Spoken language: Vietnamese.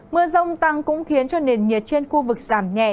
mưa rông tăng cũng khiến cho nền nhiệt trên khu vực giảm nhẹ